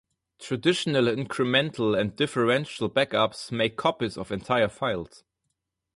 Traditional incremental and differential backups make copies of entire files.